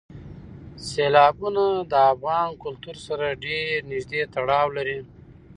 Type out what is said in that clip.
سیلابونه د افغان کلتور سره ډېر نږدې تړاو لري.